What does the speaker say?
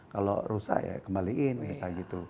kalau rusak ya kembaliin rusak gitu